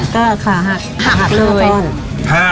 ก็ขาหักหัก๕ก้อน